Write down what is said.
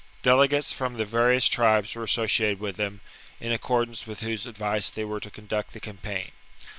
Delegates from the various tribes were associated with them, in accordance with whose advice they were to conduct the campaign.